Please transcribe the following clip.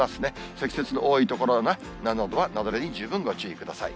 積雪の多い所はね、雪崩に十分ご注意ください。